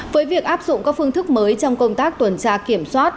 với việc áp dụng các phương thức mới trong công tác tuần tra kiểm soát